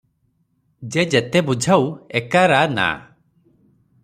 ଯେ ଯେତେ ବୁଝାଉ, ଏକା ରା - ନା ।